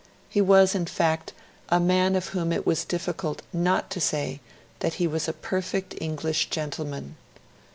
He was, in fact, a man of whom it was difficult not to say that he was a perfect English gentleman.